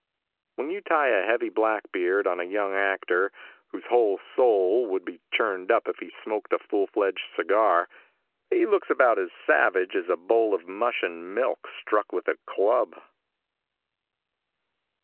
When you tie a heavy black beard on a young actor, whose whole soul would be churned up if he smoked a full fledged cigar, he looks about as savage as a bowl of mush and milk struck with a club."